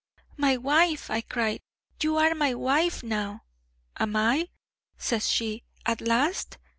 'My wife!' I cried: 'you are my wife now!' 'Am I?' says she: 'at last?